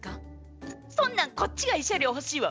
そんなんこっちが慰謝料欲しいわ。